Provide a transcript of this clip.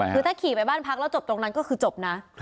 คือถ้าขี่ไปบ้านพักแล้วจบตรงนั้นก็คือจบนะ